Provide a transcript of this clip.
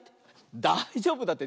だいじょうぶだって。